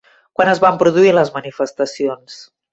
Quan es van produir les manifestacions?